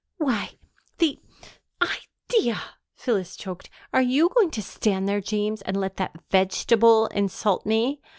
"Why, the idea!" Phyllis choked. "Are you going to stand there, James, and let that vegetable insult me?"